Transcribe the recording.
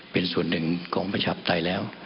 เป็นส่วนหนึ่งของประชาปไตยแล้ว